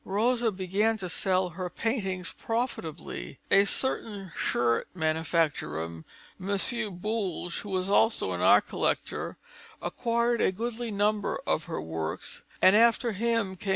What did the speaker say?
Rosa began to sell her paintings profitably. A certain shirt manufacturer, M. Bourges, who was also an art collector, acquired a goodly number of her works; and after him came M.